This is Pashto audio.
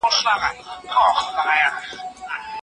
نولي د سياستپوهني په اړه ځانګړی نظر وړاندي کړی دی.